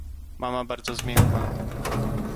"Mama bardzo zmiękła."